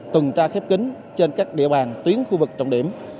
tuần tra khép kính trên các địa bàn tuyến khu vực trọng điểm